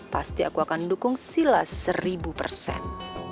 pasti aku akan dukung silas seribu persen